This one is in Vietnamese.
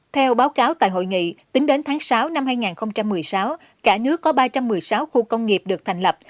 theo báo cáo tại hội nghị tính đến tháng sáu năm hai nghìn một mươi sáu cả nước có ba trăm một mươi sáu khu công nghiệp được thành lập